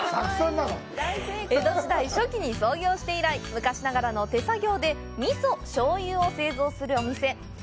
江戸時代初期に創業して以来昔ながらの手作業で味噌・醤油を製造するお店。